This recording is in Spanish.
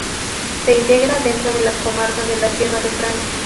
Se integra dentro de la comarca de la Sierra de Francia.